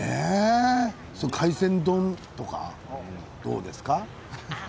海鮮丼とかどうですか。